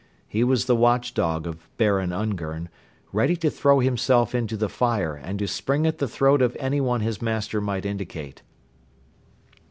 He was the watchdog of Baron Ungern, ready to throw himself into the fire and to spring at the throat of anyone his master might indicate.